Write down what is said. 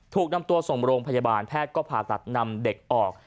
ถูกนำตัวส่งโรงพยาบาลแพทย์ก็ผ่าตัดนำเด็กออก